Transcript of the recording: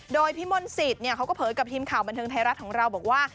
โดยพี่มนต์สิทธิ์เขาก็เผยกับทีมข่าวบันเทิงไทยรัฐของเราบอกว่า